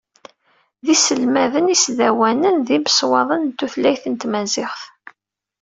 D iselmaden isdawanen d yimaswaḍen n tutlayt n tmaziɣt.